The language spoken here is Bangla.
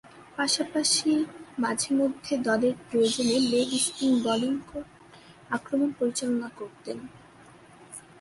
পাশাপাশি, মাঝে-মধ্যে দলের প্রয়োজনে লেগ স্পিন বোলিং আক্রমণ পরিচালনা করতেন।